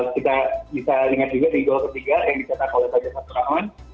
kita bisa ingat juga di gol ketiga yang dicetak golnya saja sabtu rahman